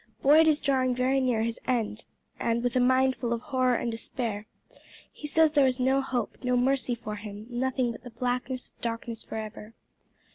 Boyd is drawing very near his end, and with a mind full of horror and despair. He says there is no hope, no mercy for him nothing but the blackness of darkness forever."